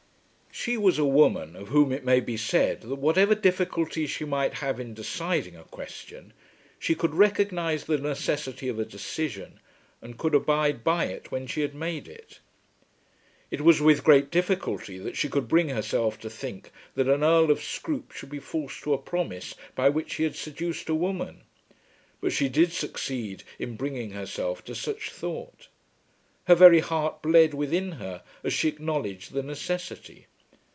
She was a woman of whom it may be said that whatever difficulty she might have in deciding a question she could recognise the necessity of a decision and could abide by it when she had made it. It was with great difficulty that she could bring herself to think that an Earl of Scroope should be false to a promise by which he had seduced a woman, but she did succeed in bringing herself to such thought. Her very heart bled within her as she acknowledged the necessity.